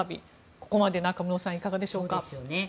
ここまで中室さんいかがでしょうか。